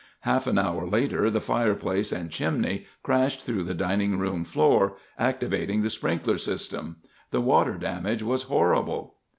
Half an hour later the fireplace and chimney crashed through the dining room floor, activating the sprinkler system. The water damage was horrible.